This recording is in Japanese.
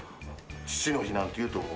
父の日なんていうともう。